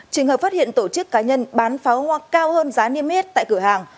trường hợp phát hiện tổ chức cá nhân bán pháo hoa cao hơn giá niêm yết tại cửa hàng